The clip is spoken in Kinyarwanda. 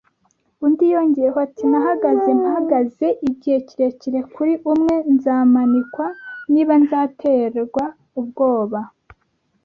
Undi yongeyeho ati: “Nahagaze mpagaze igihe kirekire kuri umwe. “Nzamanikwa niba nzaterwa ubwoba